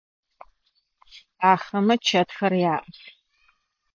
Ахэмэ чэтхэр яӏэх.